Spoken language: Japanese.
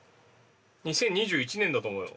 ２０２１年だと思うよ。